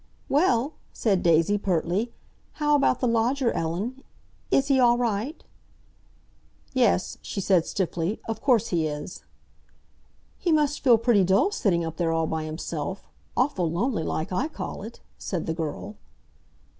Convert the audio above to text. "Well?" said Daisy pertly. "How about the lodger, Ellen? Is he all right?" "Yes," she said stiffly. "Of course he is!" "He must feel pretty dull sitting up there all by himself—awful lonely like, I call it," said the girl.